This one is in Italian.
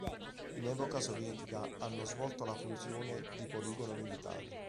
In epoca sovietica hanno svolto la funzione di poligono militare.